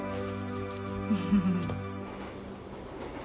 フフフッ。